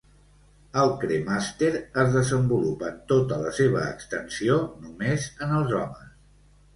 El cremàster es desenvolupa en tota la seva extensió només en els homes.